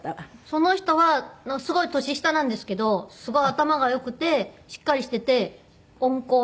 その人はすごい年下なんですけどすごい頭がよくてしっかりしていて温厚な方。